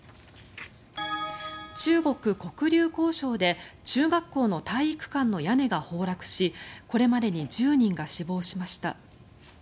中国・黒竜江省で中学校の体育館の屋根が崩落しこれまでに１０人が死亡しました。